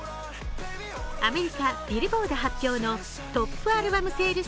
アメリカ・ビルボード発表のトップアルバムセールス